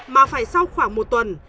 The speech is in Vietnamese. mà phải sau khoảng một tuần